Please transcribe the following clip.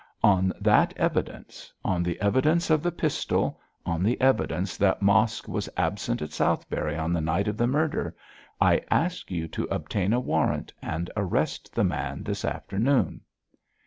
On that evidence, on the evidence of the pistol, on the evidence that Mosk was absent at Southberry on the night of the murder, I ask you to obtain a warrant and arrest the man this afternoon.'